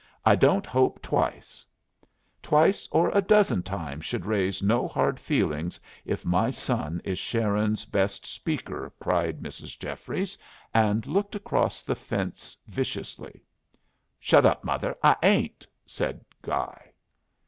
"I don't hope twice " "Twice or a dozen times should raise no hard feelings if my son is Sharon's best speaker," cried Mrs. Jeffries, and looked across the fence viciously. "Shut up, mother; I ain't," said Guy.